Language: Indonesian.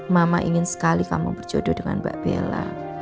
mama ingin sekali kamu berjodoh dengan mbak bella